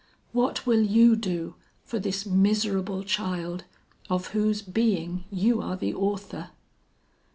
What will you do for this miserable child of whose being you are the author?'